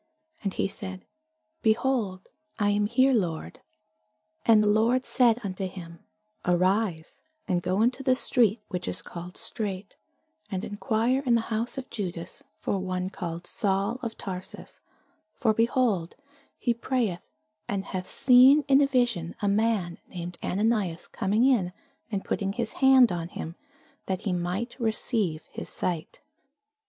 And he said, Behold, I am here, Lord. And the Lord said unto him, Arise, and go into the street which is called Straight, and enquire in the house of Judas for one called Saul, of Tarsus: for, behold, he prayeth, and hath seen in a vision a man named Ananias coming in, and putting his hand on him, that he might receive his sight.